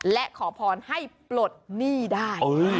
และขอพรให้ปลดหนี้ได้